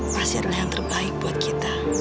pasti adalah yang terbaik buat kita